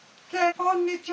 こんにちは。